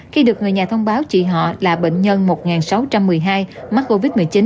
khi được người nhà thông báo chị họ là bệnh nhân một nghìn sáu trăm một mươi hai mắc covid một mươi chín